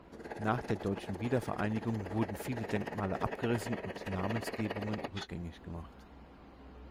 Nach der deutschen Wiedervereinigung wurden viele Denkmale abgerissen und Namensgebungen rückgängig gemacht.